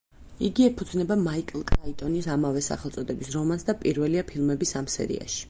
იგი ეფუძნება მაიკლ კრაიტონის ამავე სახელწოდების რომანს და პირველია ფილმების ამ სერიაში.